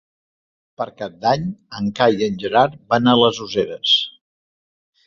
Per Cap d'Any en Cai i en Gerard van a les Useres.